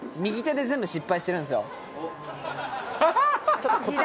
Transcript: ちょっとこっち。